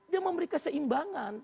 dia memberikan seimbangan